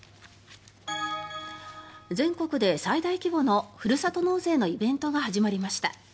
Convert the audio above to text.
全国で最大規模のふるさと納税のイベントが始まりました。